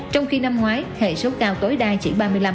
trong khi năm ngoái hệ số cao tối đa chỉ ba mươi năm